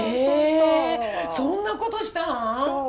そんなことしたん？